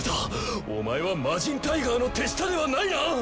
お前は魔神タイガーの手下ではないな！